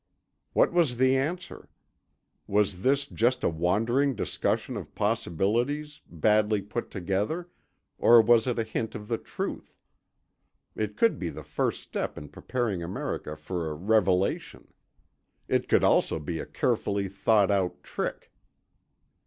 What was the answer? Was this just a wandering discussion of possibilities, badly put together, or was it a hint of the truth? it could be the first step in preparing America for a revelation. It could also be a carefully thought out trick.